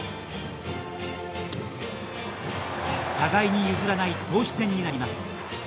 互いに譲らない投手戦になります。